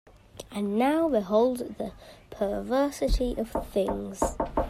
And now behold the perversity of things.